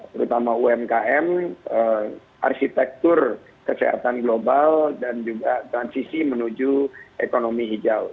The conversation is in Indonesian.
terutama umkm arsitektur kesehatan global dan juga transisi menuju ekonomi hijau